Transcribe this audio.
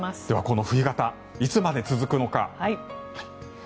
では、この冬型いつまで続くのか。